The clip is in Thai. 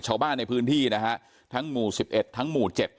ชาวบ้านในพื้นที่นะฮะทั้งหมู่๑๑ทั้งหมู่๗